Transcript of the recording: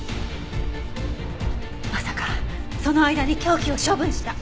まさかその間に凶器を処分した。